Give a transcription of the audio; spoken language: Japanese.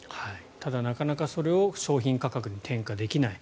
ただ、なかなかそれを商品価格に転嫁できない。